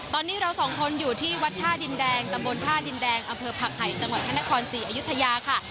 ตอนนี้เราสองคนอยู่ที่วัดท่าดินแดงตำบลท่าดินแดงอำเภอผักไห่จังหวัดพระนครศรีอยุธยาค่ะ